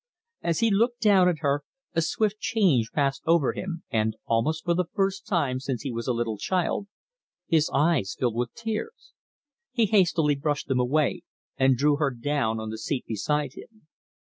As he looked down at her a swift change passed over him, and, almost for the first time since he was a little child, his eyes filled with tears. He hastily brushed them away, and drew her down on the seat beside him.